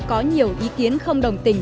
có nhiều ý kiến không đồng tình